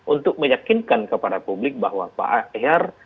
untuk meyakinkan kepada publik bahwa pak er